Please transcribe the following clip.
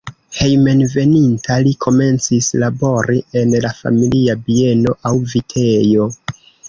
Hejmenveninta li komencis labori en la familia bieno aŭ vitejo.